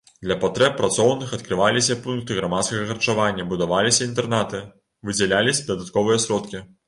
Для патрэб працоўных адкрываліся пункты грамадскага харчавання, будаваліся інтэрнаты, выдзяляліся дадатковыя сродкі.